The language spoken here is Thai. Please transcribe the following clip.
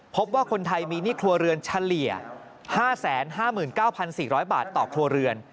พบว่าคนไทยมีหนี้ครัวเรือนเฉลี่ย๕๕๙๔๐๐บาทต่อครัวเรือน